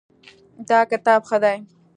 دا کتاب ښه دی